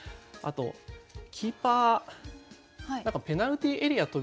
あとキーパーペナルティーエリア